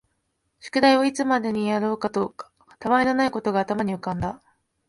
宿題をいつまでにやろうかとか、他愛のないことが頭に浮んだ